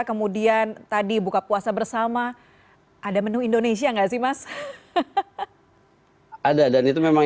kemudian tadi buka puasa bersama ada menu indonesia enggak sih mas ada dan itu memang